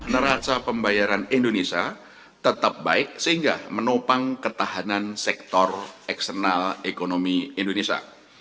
neraca pembayaran indonesia tetap baik sehingga menopang ketahanan sektor eksternal ekonomi indonesia